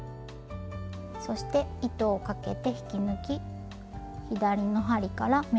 そして糸をかけて引き抜き左の針から目を外します。